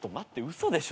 嘘でしょ？